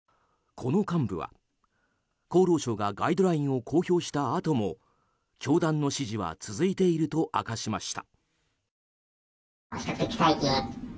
この幹部は厚労省がガイドラインを公表したあとも教団の指示は続いていると明かしました。